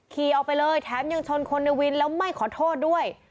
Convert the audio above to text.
ขี่ออกไปเลยแถมยังชนคนในวินแล้วไม่ขอโทษด้วย